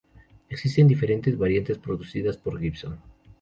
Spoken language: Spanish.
Existen diferentes variantes producidas por Gibson.